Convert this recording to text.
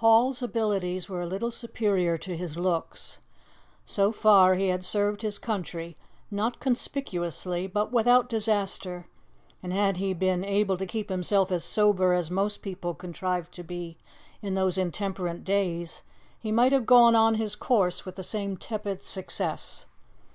Hall's abilities were a little superior to his looks. So far he had served his country, not conspicuously, but without disaster, and had he been able to keep himself as sober as most people contrived to be in those intemperate days, he might have gone on his course with the same tepid success.